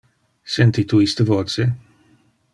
Senti tu iste voce?